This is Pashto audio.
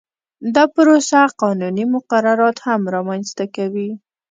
دا پروسه قانوني مقررات هم رامنځته کوي